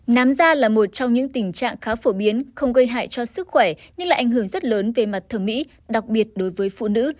nám da là một trong những tình trạng khá phổ biến không gây hại cho sức khỏe nhưng lại ảnh hưởng rất lớn về mặt thẩm mỹ đặc biệt đối với phụ nữ